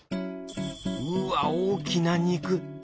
うわ大きな肉！